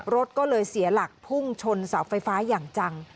รถก็เลยเสียหลักพุ่งชนเสาไฟฟ้าอย่างจัง